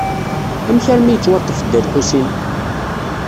Amek armi yettwaṭṭef Dda Lḥusin?